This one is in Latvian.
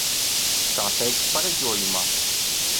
Tā teikts pareģojumā.